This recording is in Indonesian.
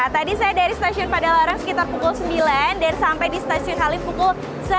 tadi saya dari stasiun padalarang sekitar pukul sembilan dan sampai di stasiun halim pukul sebelas